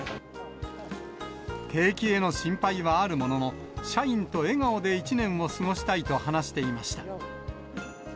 景気への心配はあるものの、社員と笑顔で一年を過ごしたいと話していました。